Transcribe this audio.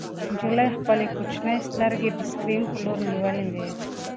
نجلۍ خپلې کوچنۍ سترګې د سکرین په لور نیولې وې.